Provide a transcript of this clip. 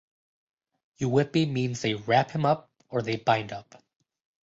"Yuwipi" means "they wrap him up" or "they bind up".